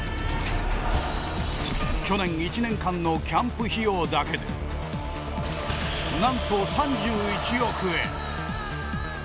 去年１年間のキャンプ費用だけで何と３１億円！